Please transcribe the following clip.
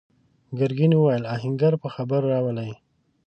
ګرګين وويل: آهنګر په خبرو راولئ!